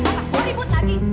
mau ribut lagi